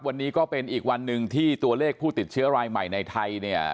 วันนี้ก็เป็นอีกวันหนึ่งที่ตัวเลขผู้ติดเชื้อรายใหม่ในไทยเนี่ย